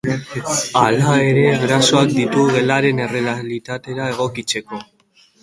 Hala ere, arazoak ditu gelaren errealitatera egokitzeko.